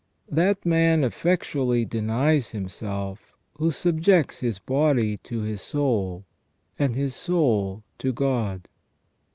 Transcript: That man effectually denies himself who subjects his body to his soul, and his soul to God.